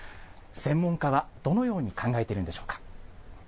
専門家はどのように考えているんでしょうか。